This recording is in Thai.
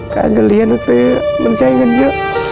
การจะเรียนหนังสือมันใช้เงินเยอะ